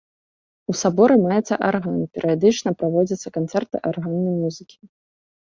У саборы маецца арган, перыядычна праводзяцца канцэрты арганнай музыкі.